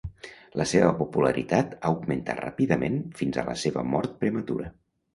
La seva popularitat augmentà ràpidament fins a la seva mort prematura.